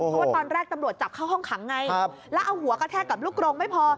เพราะว่าตอนแรกตำรวจจับเข้าห้องขังไงแล้วเอาหัวกระแทกกับลูกกรงไม่พอ